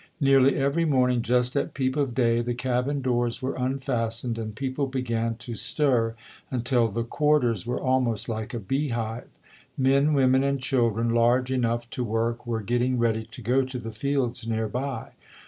Nearly every morning, just at peep of day, the cabin doors were unfastened and people began to stir until "the quarters" were almost like a bee 12 ] UNSUNG HEROES hive. Men, women, and children large enough to work were getting ready to go to the fields nearby.